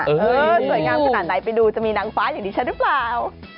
สวยงามขนาดไหนไปดูจะมีนางฟ้าอย่างดิฉันหรือเปล่า